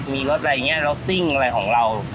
มีรถรสซิ้งอะไรของเรา